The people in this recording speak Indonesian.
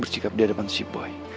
bersikap dia depan si boy